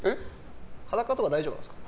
裸とか大丈夫なんですか。